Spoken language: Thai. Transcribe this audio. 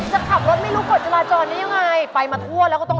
ให้จูบหน้าเจ๊ก็วูบเข้ามาในสมอง